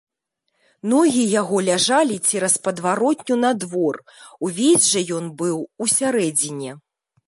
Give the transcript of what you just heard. Ногі яго ляжалі цераз падваротню на двор, увесь жа ён быў у сярэдзіне.